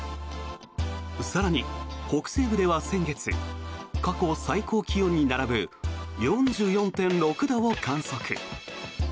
更に、北西部では先月過去最高気温に並ぶ４４．６度を観測。